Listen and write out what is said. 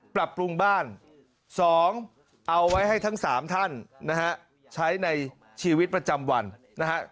ปรับปรุงบ้าน๒เอาไว้ให้ทั้ง๓ท่านนะฮะใช้ในชีวิตประจำวันนะฮะ